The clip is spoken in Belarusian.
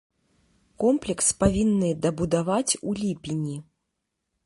Комплекс павінны дабудаваць у ліпені.